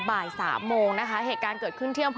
บ่าย๓โมงเหตุการณ์เกิดขึ้นที่